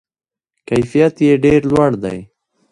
کیفیت یې ډیر لوړ دی.